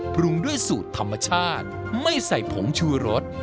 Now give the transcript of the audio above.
ปรุงด้วยสูตรธรรมชาติไม่ใส่ผงชูรส